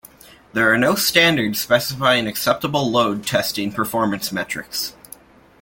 There are no standards specifying acceptable load testing performance metrics.